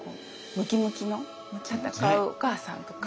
ムキムキの戦うお母さんとか。